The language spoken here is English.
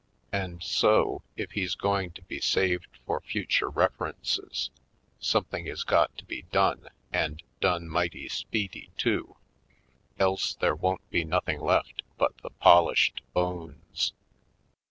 And so, if he's going to be saved for future refer ences, something is got to be done and done mighty speedy, too, else there won't be noth ing left but the polished bones.